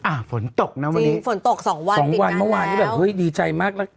ฝนตกนะวันนี้ฝนตกสองวันสองวันเมื่อวานนี้แบบเฮ้ยดีใจมากแล้ว